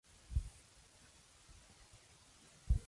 Además, la etimología de los elfos estaba en constante cambio.